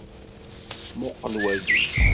Muqqel waki.